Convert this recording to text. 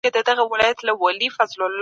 شتمن خلګ له غریبانو ګټه اخلي.